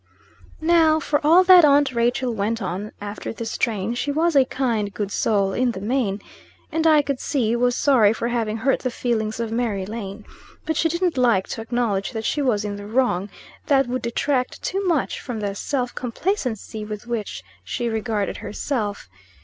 Now, for all that aunt Rachel went on after this strain, she was a kind, good soul, in the main, and I could see, was sorry for having hurt the feelings of Mary Lane. But she didn't like to acknowledge that she was in the wrong; that would detract too much from the self complacency with which she regarded herself.